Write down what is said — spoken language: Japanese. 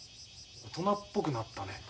大人っぽくなったね。